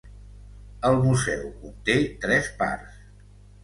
El museu conté tres parts.